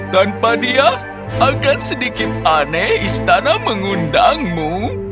tanpa dia akan sedikit aneh istana mengundangmu